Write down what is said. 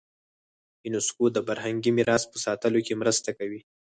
یونسکو د فرهنګي میراث په ساتلو کې مرسته کوي.